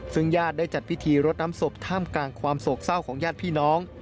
ซึ่งญาติได้จัดพิธีรดน้ำศพท่ามกลางความโศกเศร้าของญาติพี่น้อง